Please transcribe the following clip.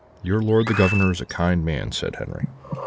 "'Your lord the Governor is a kind man,' said Henri.